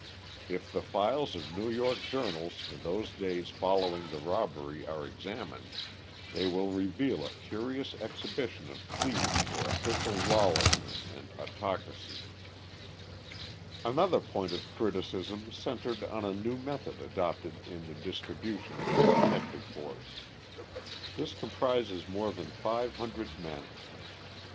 If the files of New York journals for those days following the robbery are examined they will reveal a curious exhibition of pleading for official lawlessness and autocracy. [Illustration: GEORGE S. DOUGHERTY Second Deputy Police Commissioner ] Another point of criticism centered on a new method adopted in the distribution of the detective force. This comprises more than five hundred men.